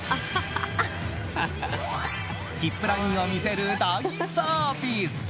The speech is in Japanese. ヒップラインを見せる大サービス！